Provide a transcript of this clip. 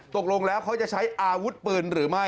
ตกลงแล้วเขาจะใช้อาวุธปืนหรือไม่